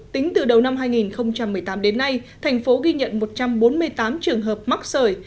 tính từ đầu năm hai nghìn một mươi tám đến nay thành phố ghi nhận một trăm bốn mươi tám trường hợp mắc sởi